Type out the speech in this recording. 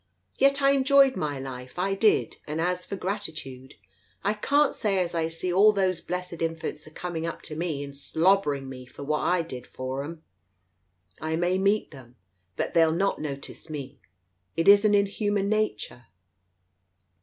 Yet I enjoyed my life, I did, and as for gratitude, I can't say as I see all those blessed infants a coming up to me, and slobbering me for what I did for 'em. I may meet them, but they'll not notice me. It isn't in human nature.